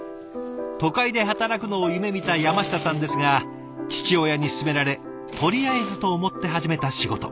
都会で働くのを夢みた山下さんですが父親に勧められとりあえずと思って始めた仕事。